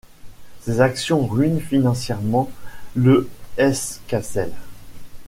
Ses actions ruinent financièrement le Hesse-Cassel.